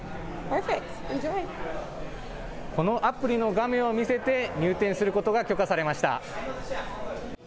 このアプリの画面を見せて入店することが許可されました。